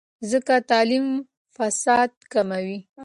څنګه تعلیم فساد کموي؟